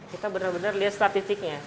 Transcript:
kita benar benar lihat statistiknya